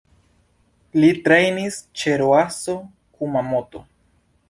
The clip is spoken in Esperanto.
Li trejnis ĉe Roasso Kumamoto.